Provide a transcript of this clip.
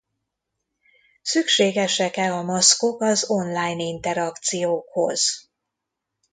Szükségesek-e a maszkok az online interakciókhoz?